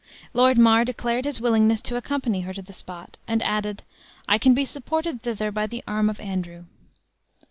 Lord Mar declared his willingness to accompany her to the spot, and added, "I can be supported thither by the arm of Andrew."